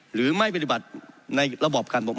หรือไม่ปฏิบัติในระบอบการปกครอง